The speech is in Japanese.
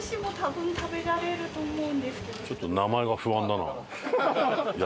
ちょっと名前が不安だな。